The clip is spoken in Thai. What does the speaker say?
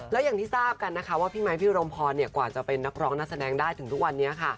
แล้วอย่างที่ทราบกันนะคะพี่ไมคกว่าจะเป็นนักร้องนักแสดงได้ถึงทุกวันนี้